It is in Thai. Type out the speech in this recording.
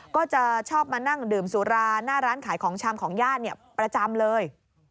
ก็จะชอบมานั่งดื่มสุราหน้าร้านขายของชำของญาติประจำเลย